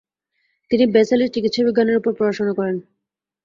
তিনি বেসেলে চিকিৎসাবিজ্ঞানের উপর পড়াশোনা করেছেন।